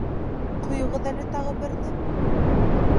Ҡойоғоҙ әле тағы берҙе!